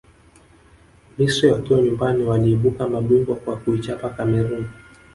misri wakiwa nyumbani waliibuka mabingwa kwa kuichapa cameroon